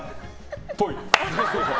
っぽい。